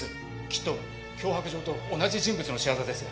きっと脅迫状と同じ人物の仕業です。